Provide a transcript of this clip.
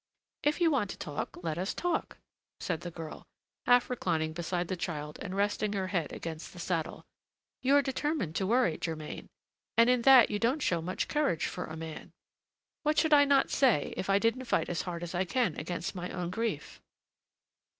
"If you want to talk, let us talk," said the girl, half reclining beside the child and resting her head against the saddle. "You're determined to worry, Germain, and in that you don't show much courage for a man. What should I not say, if I didn't fight as hard as I can against my own grief?"